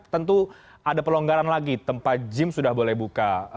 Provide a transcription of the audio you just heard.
tentu ada pelonggaran lagi tempat gym sudah boleh buka